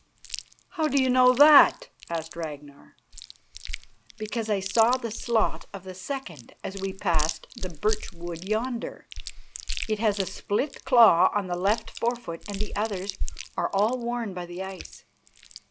"How do you know that?" asked Ragnar. "Because I saw the slot of the second as we passed the birch wood yonder. It has a split claw on the left forefoot and the others are all worn by the ice."